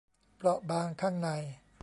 เปราะบางข้างใน